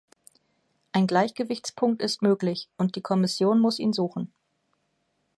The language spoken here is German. Ein Gleichgewichtspunkt ist möglich, und die Kommission muss ihn suchen.